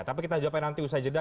tapi kita jawabin nanti usaha jeda